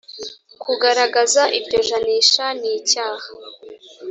kugaragaza iryo janisha nicyaha